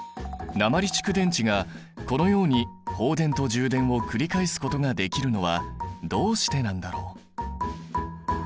鉛蓄電池がこのように放電と充電を繰り返すことができるのはどうしてなんだろう？